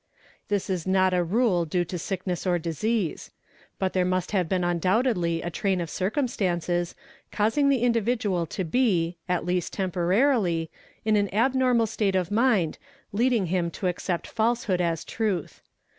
This is not as a rule due' to sickness or disease. But there must have been undoubtedly a train of circumstances, causing the individual to be, at least temporarily, in an abnormal state of mind leading him to accept falsehood as truth.